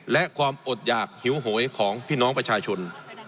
และความอดหยากหิวโหยของพี่น้องประชาชน